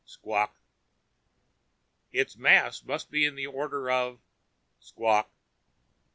Squawk. "Its mass must be on the order of " _Squawk.